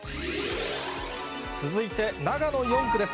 続いて長野４区です。